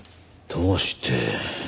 どうして。